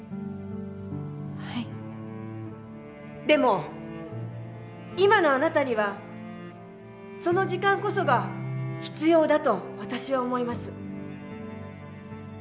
でも今のあなたにはその時間こそが必要だと私は思います。